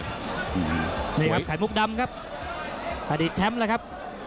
นี่ครับไข่มุกดำครับอดีตแชมป์แล้วครับ